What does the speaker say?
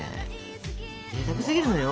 ぜいたくすぎるのよ